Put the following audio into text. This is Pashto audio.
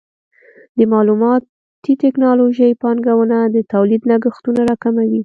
د معلوماتي ټکنالوژۍ پانګونه د تولید لګښتونه راکموي.